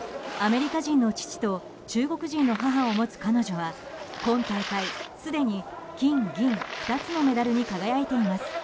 アメリカ人の父と中国人の母を持つ彼女は今大会、すでに金銀２つのメダルに輝いています。